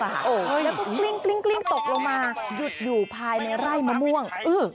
แล้วก็กลิ้งตกลงมาหยุดอยู่ภายในไร่มะม่วง